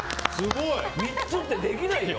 ３つってできないよ。